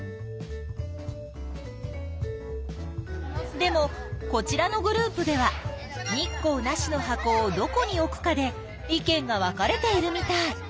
でもこちらのグループでは日光なしの箱をどこに置くかで意見が分かれているみたい。